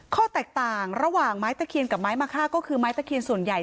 ข้อแตกต่างระหว่างไม้ตะเคียนกับไม้มะค่าก็คือไม้ตะเคียนส่วนใหญ่